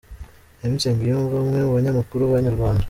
Emmy Nsengiyumva umwe mu banyamakuru ba Inyarwanda.